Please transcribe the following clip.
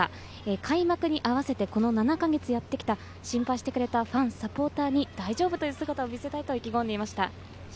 開幕に合わせて７か月やってきた、ファン、サポーターに大丈夫という姿を見せたいと意気込んでいました。